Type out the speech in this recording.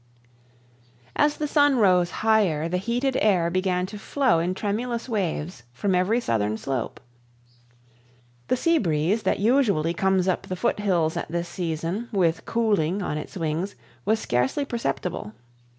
As the sun rose higher, the heated air began to flow in tremulous waves from every southern slope. The sea breeze that usually comes up the foot hills at this season, with cooling on its wings, was scarcely perceptible.